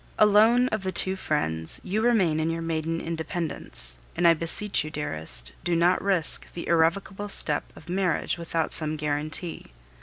Alone of the two friends, you remain in your maiden independence; and I beseech you, dearest, do not risk the irrevocable step of marriage without some guarantee.